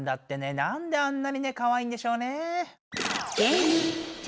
なんであんなにねかわいいんでしょうね。